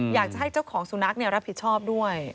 อยากจะให้เจ้าของสุนัขรับผิดชอบด้วย